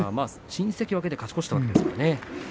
新関脇で勝ち越したわけですからね。